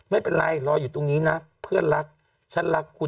ไม่เป็นไรรออยู่ตรงนี้นะเพื่อนรักฉันรักคุณ